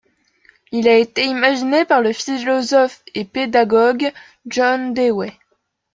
Il a été imaginé par le philosophe et pédagogue John Dewey.